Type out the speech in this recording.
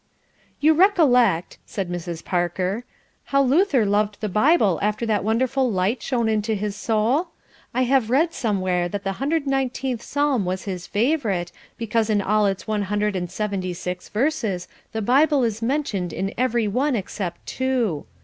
"You recollect," said Mrs. Parker, "how Luther loved the Bible after that wonderful light shone into his soul? I have read somewhere that the cxixth Psalm was his favourite, because in all its one hundred and seventy six verses the Bible is mentioned in every one except two.